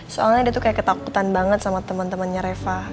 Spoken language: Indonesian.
soalnya dia tuh kayak ketakutan banget sama teman temannya reva